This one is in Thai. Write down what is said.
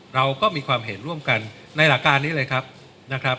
เราก็มีความเห็นร่วมกันในหลักการนี้เลยครับนะครับ